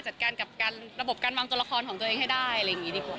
จัดการกับระบบการวางตัวละครของตัวเองให้ได้อะไรอย่างนี้ดีกว่า